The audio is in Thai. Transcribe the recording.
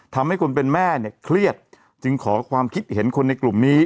ทำให้คนเป็นแม่เนี่ยเครียดจึงขอความคิดเห็นคนในกลุ่มนี้